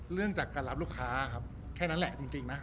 เรื่องจากการรับลูกค้าครับแค่นั้นแหละจริงนะ